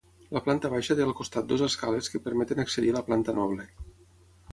La planta baixa té al costat dues escales que permeten accedir a la planta noble.